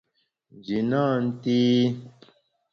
Nji nâ nté.